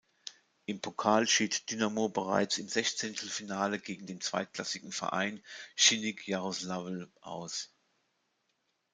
Im Pokal schied Dynamo bereits im Sechzehntelfinale gegen den zweitklassigen Verein Schinnik Jaroslawl aus.